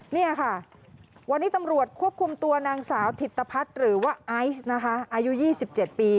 นี่ค่ะวันนี้ตำรวจควบคุมตัวนางสาวถิตภัทรหรือว่าไอซ์นะคะอายุ๒๗ปี